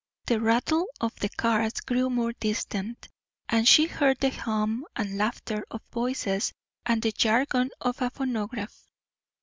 The rattle of the cars grew more distant, and she heard the hum and laughter of voices and the jargon of a phonograph.